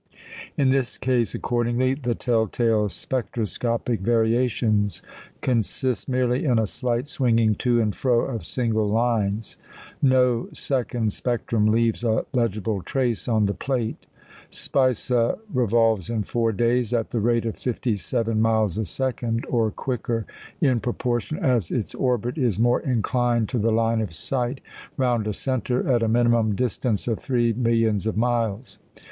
In this case, accordingly, the tell tale spectroscopic variations consist merely in a slight swinging to and fro of single lines. No second spectrum leaves a legible trace on the plate. Spica revolves in four days at the rate of fifty seven miles a second, or quicker, in proportion as its orbit is more inclined to the line of sight, round a centre at a minimum distance of three millions of miles.